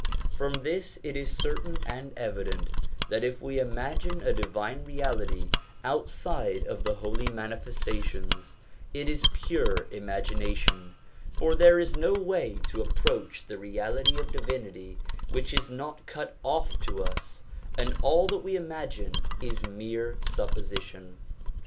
From this it is certain and evident that if we imagine a Divine Reality outside of the Holy Manifestations, it is pure imagination ; for there is no way to approach the Reality of Divinity which is not cut off to us, and all that we imagine is mere supposition.